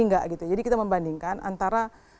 tidak jadi kita membandingkan antara